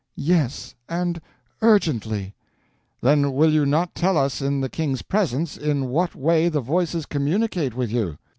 "Yes, and urgently." "Then will you not tell us in the King's presence in what way the Voices communicate with you?"